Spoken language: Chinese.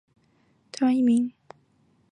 谭凯文父母都是台湾移民。